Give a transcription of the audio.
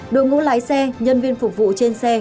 đội ngũ lái xe nhân viên phục vụ trên xe